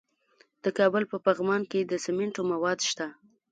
د کابل په پغمان کې د سمنټو مواد شته.